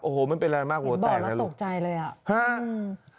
โอ้โหไม่เป็นอะไรมากโอ้โหแตกแล้วลูกบอกแล้วตกใจเลยอ่ะ